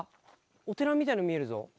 お寺みたいなの見えるぞ。